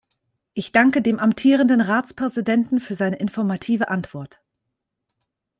Ich danke dem amtierenden Ratspräsidenten für seine informative Antwort.